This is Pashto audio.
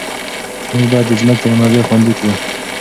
موږ باید د ځمکې منابع خوندي کړو.